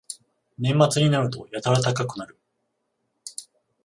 年末になるとやたら高くなる